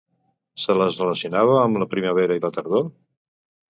Se les relacionava amb la primavera i la tardor?